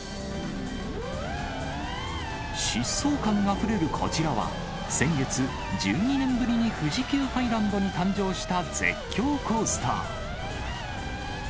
疾走感あふれるこちらは、先月、１２年ぶりに富士急ハイランドに誕生した絶叫コースター。